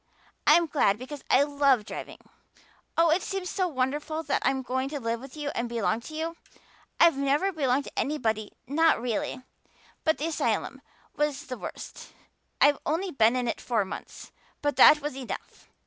I'm glad because I love driving. Oh, it seems so wonderful that I'm going to live with you and belong to you. I've never belonged to anybody not really. But the asylum was the worst. I've only been in it four months, but that was enough.